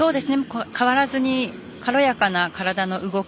変わらずに軽やかな体の動き。